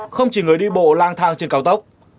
không chỉ người đi bộ lang thang trên cao tốc